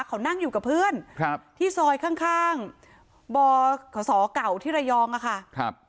เขานั่งอยู่กับเพื่อนครับที่ซอยข้างบขสเก่าที่ระยองอะค่ะ